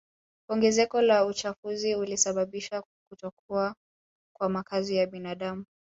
Ongezeko la uchafuzi ulisababisha kutokuwa kwa makazi ya binadamu